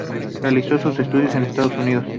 Realizó sus estudios en Estados Unidos.